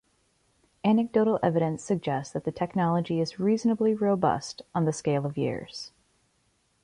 Anecdotal evidence suggests that the technology is reasonably robust on the scale of years.